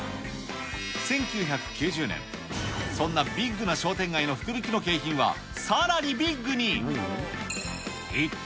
１９９０年、そんなビッグな商店街の福引きの景品はさらにビッグに。